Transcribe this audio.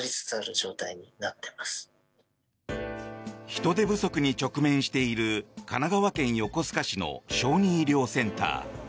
人手不足に直面している神奈川県横須賀市の小児医療センター。